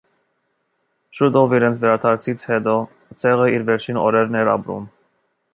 Շուտով՝ իրենց վերադարձից հետո, ցեղը իր վերջին օրերն էր ապրում։